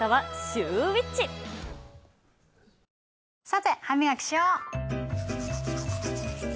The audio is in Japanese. さて歯磨きしよう。